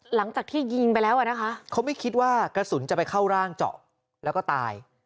หลังจากที่ยิงไปแล้วอ่ะนะคะเขาไม่คิดว่ากระสุนจะไปเข้าร่างเจาะแล้วก็ตาย